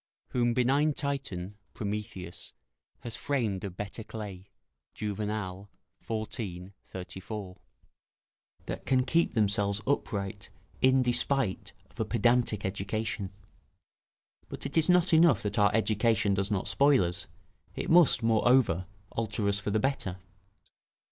["Whom benign Titan (Prometheus) has framed of better clay." Juvenal, xiv. 34.] that can keep themselves upright in despite of a pedantic education. But it is not enough that our education does not spoil us; it must, moreover, alter us for the better.